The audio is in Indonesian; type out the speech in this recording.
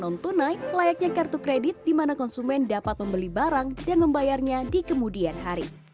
non tunai layaknya kartu kredit di mana konsumen dapat membeli barang dan membayarnya di kemudian hari